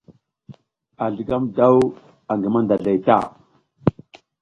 A zligam daw angi mandazlay ta.